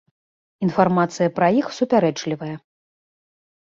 Інфармацыя пра іх супярэчлівая.